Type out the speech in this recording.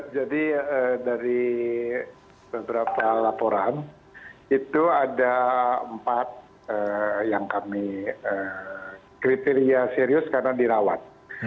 jadi dari beberapa laporan itu ada empat yang kami kriteria serius karena dirawat